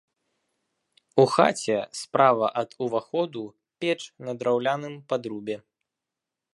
У хаце справа ад уваходу печ на драўляным падрубе.